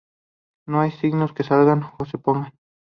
No hay signos que salgan o se pongan.